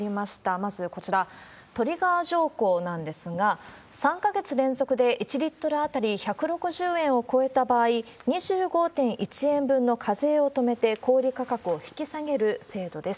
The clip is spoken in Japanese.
まずこちら、トリガー条項なんですが、３か月連続で１リットル当たり１６０円を超えた場合、２５．１円分の課税を止めて小売価格を引き下げる制度です。